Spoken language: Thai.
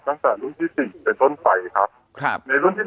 ตั้งแต่รุ่นที่๔เป็นต้นไฟครับ